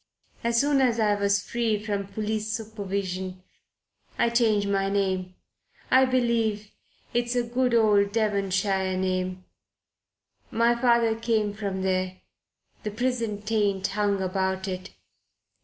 As soon as I was free from police supervision I changed my name I believe it's a good old Devonshire name; my father came from there the prison taint hung about it.